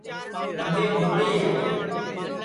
رمبھی بھوٹی ہے